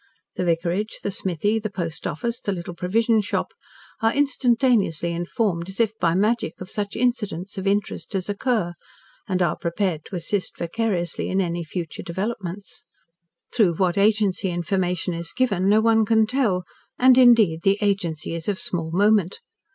The vicarage, the smithy, the post office, the little provision shop, are instantaneously informed as by magic of such incidents of interest as occur, and are prepared to assist vicariously at any future developments. Through what agency information is given no one can tell, and, indeed, the agency is of small moment.